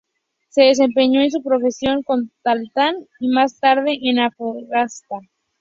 Se desempeñó en su profesión en Taltal y más tarde, en Antofagasta.